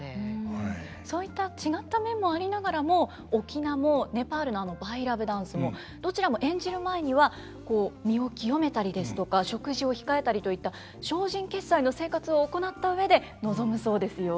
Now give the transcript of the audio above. そういった違った面もありながらも翁もネパールのバイラヴダンスもどちらも演じる前にはこう身を清めたりですとか食事を控えたりといった精進潔斎の生活を行った上で臨むそうですよ。